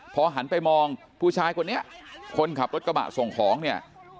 พอหันไปมองผู้ชายคนนี้คนขับรถกระบะส่งของเนี่ย